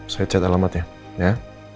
saya cat alamatnya ya